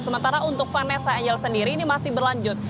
sementara untuk vanessa angel sendiri ini masih berlanjut